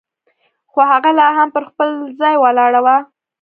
خو هغه لا هم پر خپل ځای ولاړه وه.